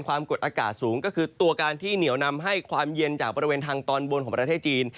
ความกดอากาศสูงก็คือตัวการที่เหนียวนำให้ความเย็นจากบริเวณทางตอนบนของประเทศจีน